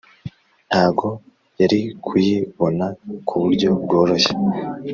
ntago yarikuyibona kuburyo bworoshye